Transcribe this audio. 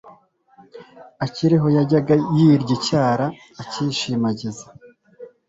akiriho yajyaga yirya icyara, akishimagiza